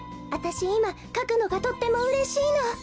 あたしいまかくのがとってもうれしいの。